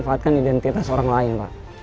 memanfaatkan identitas orang lain pak